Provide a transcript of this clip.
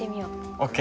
ＯＫ。